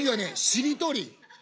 しりとり？